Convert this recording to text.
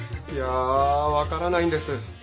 いや分からないんです。